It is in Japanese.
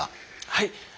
はい。